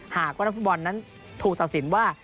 หากว่านักฟุตบอลนั้นถูกตัดสินว่า